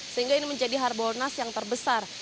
sehingga ini menjadi harbolnas yang terbesar